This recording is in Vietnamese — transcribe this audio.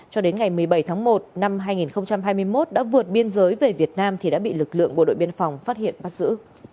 cho đến ngày một mươi bảy tháng một năm hai nghìn hai mươi một đã vượt biên giới về việt nam thì đã bị lực lượng bộ đội biên phòng phát hiện bắt giữ